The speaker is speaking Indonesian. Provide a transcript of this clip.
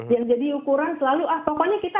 yang jadi ukuran selalu ah pokoknya kita